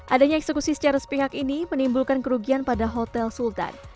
adanya eksekusi secara sepihak ini menimbulkan kerugian pada hotel sultan